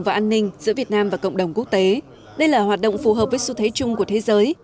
và an ninh giữa việt nam và cộng đồng quốc tế đây là hoạt động phù hợp với xu thế chung của thế giới